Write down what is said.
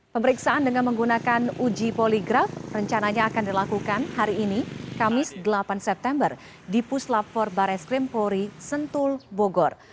pemeriksaan dengan menggunakan uji poligraf rencananya akan dilakukan hari ini kamis delapan september di puslap empat barreskrimpori sentul bogor